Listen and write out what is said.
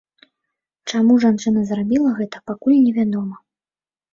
Чаму жанчына зрабіла гэта, пакуль невядома.